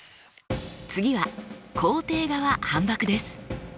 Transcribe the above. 次は肯定側反ばくです。